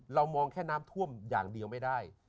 เรามองแค่น้ำท่วมอย่างเดียวไม่ได้